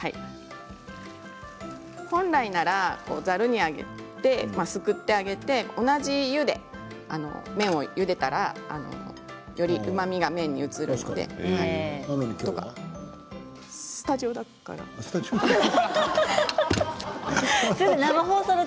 本来ならざるに上げてすくってあげて、同じ湯で麺をゆでたら、よりうまみが麺に移るのできょうは何で？